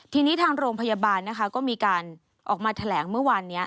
ทีนี้ทางโรงพยาบาลนะคะก็มีการออกมาแถลงเมื่อวานนี้